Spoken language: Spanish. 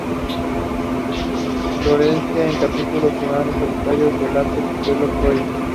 Inflorescencia en capítulos florales solitarios en el apex de los tallos.